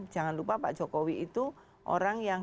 jangan lupa pak jokowi itu orang yang